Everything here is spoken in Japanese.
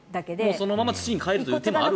そのまま土にかえるという手もあるわけですね。